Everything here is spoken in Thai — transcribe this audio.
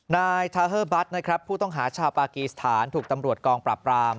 นายทาฮิล์บัตรผู้ต้องหาชาวปากีสถานถูกตำรวจกองปรับปราม